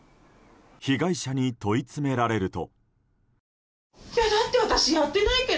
被害者に問い詰められると。